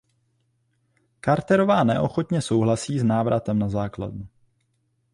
Carterová neochotně souhlasí s návratem na základnu.